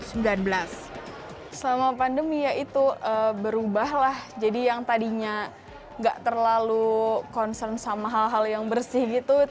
selama pandemi ya itu berubahlah jadi yang tadinya nggak terlalu concern sama hal hal yang bersih gitu